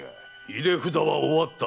入札は終わった。